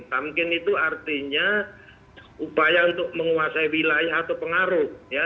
tamkin itu artinya upaya untuk menguasai wilayah atau pengaruh ya